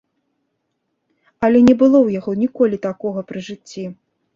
Але не было ў яго ніколі такога пры жыцці!